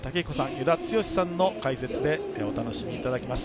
与田剛さんの解説でお楽しみいただきます。